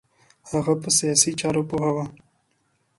هغه په سیاسی چارو پوه و